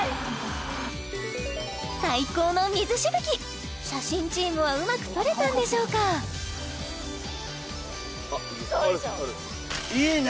最高の水しぶき写真チームはうまく撮れたんでしょうかどうでしょういいね！